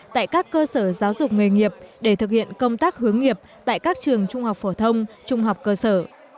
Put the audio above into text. tại các cơ sở giáo dục nghề nghiệp để thực hiện công tác hướng nghiệp tại các trường trung học phổ thông trung học cơ sở